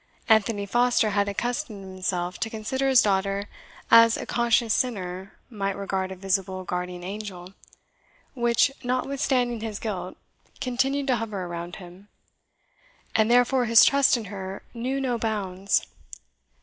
Anthony Foster had accustomed himself to consider his daughter as a conscious sinner might regard a visible guardian angel, which, notwithstanding his guilt, continued to hover around him; and therefore his trust in her knew no bounds.